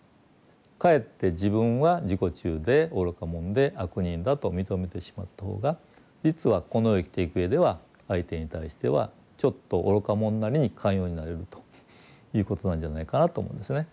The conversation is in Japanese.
かえって自分は自己中で愚か者で悪人だと認めてしまった方が実はこの世を生きていくうえでは相手に対してはちょっと愚か者なりに寛容になれるということなんじゃないかなと思うんですね。